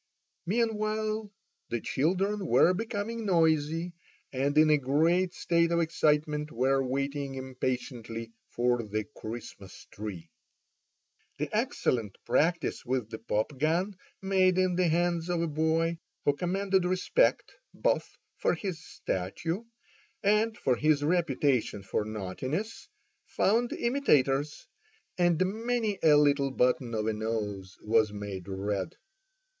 Meanwhile the children were becoming noisy, and in a great state of excitement were waiting impatiently for the Christmas tree. The excellent practice with the pop gun made in the hands of a boy, who commanded respect both for his stature and for his reputation for naughtiness, found imitators, and many a little button of a nose was made red.